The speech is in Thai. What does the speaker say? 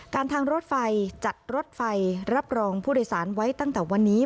ทางรถไฟจัดรถไฟรับรองผู้โดยสารไว้ตั้งแต่วันนี้